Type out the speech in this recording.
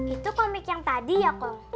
itu komik yang tadi ya